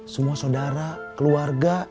semua saudara keluarga